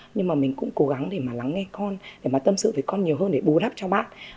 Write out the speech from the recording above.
nhưng mà mình cũng cố gắng để mà lắng nghe con để mà tâm sự với con nhiều hơn để bù đắp cho bạn